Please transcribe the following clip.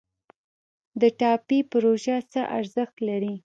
د ټاپي پروژه څه ارزښت لري؟